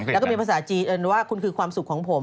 แล้วก็มีภาษาจีนเอิญว่าคุณคือความสุขของผม